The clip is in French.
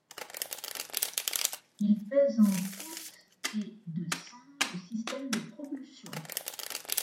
Il pèse en tout et de sans le système de propulsion.